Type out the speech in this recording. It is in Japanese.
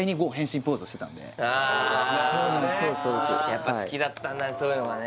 あやっぱ好きだったんだねそういうのがね